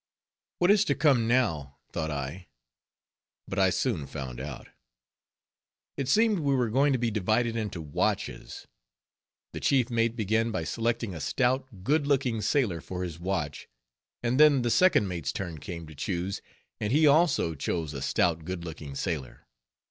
What is to come now, thought I; but I soon found out. It seemed we were going to be divided into watches. The chief mate began by selecting a stout good looking sailor for his watch; and then the second mate's turn came to choose, and he also chose a stout good looking sailor.